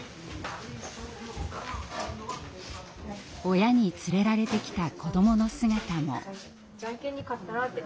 親に連れられてきた子どもの姿も。